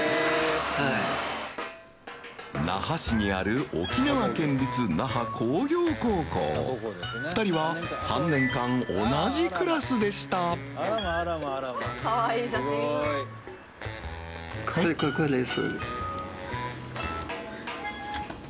那覇市にある沖縄県立那覇工業高校２人は３年間同じクラスでした海譴任これです。